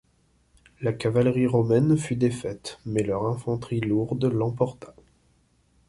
La cavalerie romaine fut défaite, mais leur infanterie lourde l'emporta.